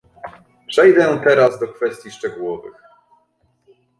Przejdę teraz do kwestii szczegółowych